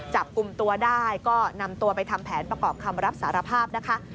จับกลุ่มตัวได้ก็นำตัวไปทำแผนประกอบคำรับสารภาพนะคะ